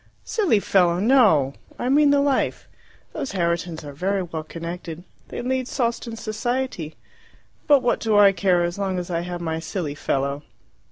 "Silly fellow, no! I mean the life. Those Herritons are very well connected. They lead Sawston society. But what do I care, so long as I have my silly fellow!"